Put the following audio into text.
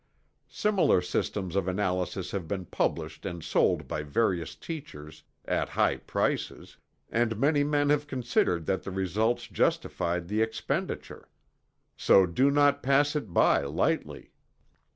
Similar systems of analysis have been published and sold by various teachers, at high prices and many men have considered that the results justified the expenditure. So do not pass it by lightly.